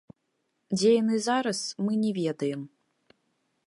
Дзе яны зараз, мы не ведаем.